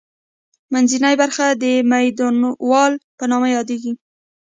منځنۍ برخه د میدولا په نامه یادیږي.